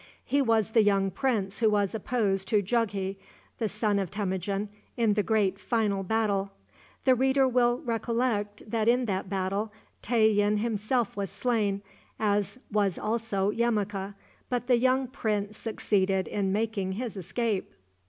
He was the young prince who was opposed to Jughi, the son of Temujin, in the great final battle. The reader will recollect that in that battle Tayian himself was slain, as was also Yemuka, but the young prince succeeded in making his escape.